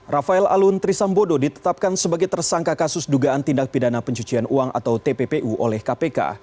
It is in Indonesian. rafael alun trisambodo ditetapkan sebagai tersangka kasus dugaan tindak pidana pencucian uang atau tppu oleh kpk